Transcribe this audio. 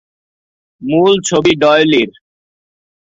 মূল ছবি ডয়লীর।